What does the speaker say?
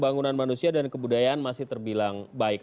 pembangunan manusia dan kebudayaan masih terbilang baik